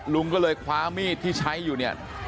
ลุงก็เลยคว้ามีดที่ใช้อยู่เนี่ย